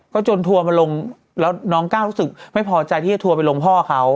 ก็จนทัวร์มาลงแล้วน้องก้าวรู้สึกไม่พอใจที่จะทัวร์ไปลงพ่อเขา